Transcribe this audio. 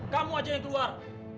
kamu aja yang keluar